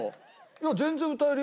いや全然歌えるよ。